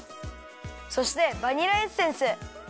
そしてバニラエッセンス。